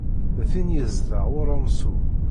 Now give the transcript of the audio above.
D tin yezdeɣ uramsu.